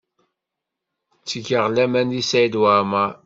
Ttgeɣ laman deg Saɛid Waɛmaṛ.